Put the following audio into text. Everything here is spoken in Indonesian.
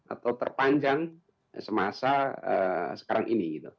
atau terpanjang semasa sekarang ini